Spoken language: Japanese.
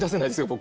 僕。